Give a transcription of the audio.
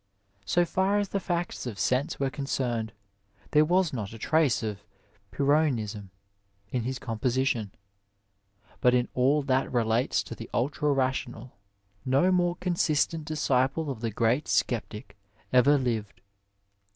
So far as the facts of sense were concerned, there was not a trace of Pyrrhonism in his composition, but in all that relates to the ultra rational no more consistent disciple of the great sceptic ever lived.